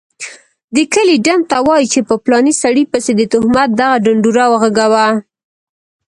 دکلي ډم ته وايي چي په پلاني سړي پسي دتهمت دغه ډنډوره وغږوه